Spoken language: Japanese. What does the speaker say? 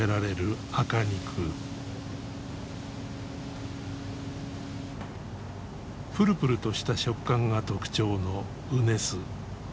プルプルとした食感が特徴の畝須。